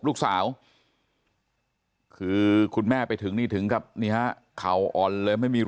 แล้วก็ยัดลงถังสีฟ้าขนาด๒๐๐ลิตร